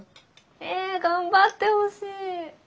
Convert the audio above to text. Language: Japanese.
え頑張ってほしい。